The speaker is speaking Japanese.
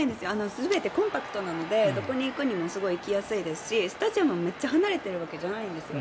全てコンパクトなのでどこに行くにもすごい行きやすいですしスタジアムもめっちゃ離れてるわけじゃないんですよ。